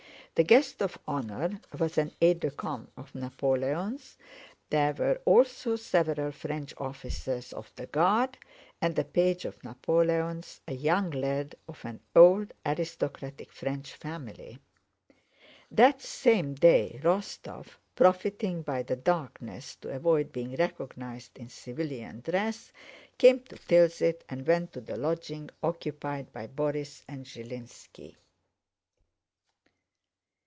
The guest of honor was an aide de camp of Napoleon's, there were also several French officers of the Guard, and a page of Napoleon's, a young lad of an old aristocratic French family. That same day, Rostóv, profiting by the darkness to avoid being recognized in civilian dress, came to Tilsit and went to the lodging occupied by Borís and Zhilínski.